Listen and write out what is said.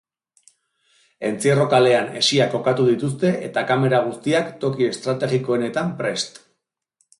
Entzierro kalean hesiak kokatu dituzte eta kamera guztiak toki estrategikoenetan prest.